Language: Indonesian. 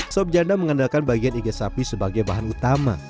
sop janda mengandalkan bagian iga sapi sebagai bahan utama